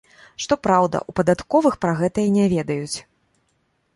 Што праўда, у падатковых пра гэтае не ведаюць.